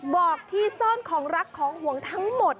บอกที่ซ่อนของรักของห่วงทั้งหมด